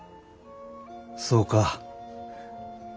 そうか。